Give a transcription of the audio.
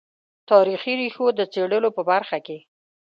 تاریخي ریښو د څېړلو په برخه کې.